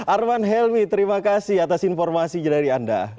arman helmi terima kasih atas informasinya dari anda